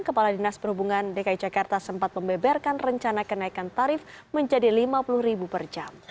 kepala dinas perhubungan dki jakarta sempat membeberkan rencana kenaikan tarif menjadi rp lima puluh per jam